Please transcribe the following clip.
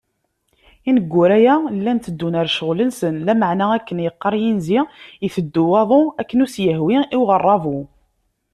Ineggura-a, llan teddun ɣer ccɣel-nsen, lameεna akken yeqqaṛ yinzi iteddu waḍu akken ur as-yehwi i uɣeṛṛabu.